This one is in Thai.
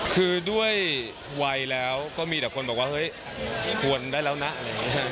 คือด้วยวัยแล้วก็มีแต่คนบอกว่าเฮ้ยควรได้แล้วนะอะไรอย่างนี้ฮะ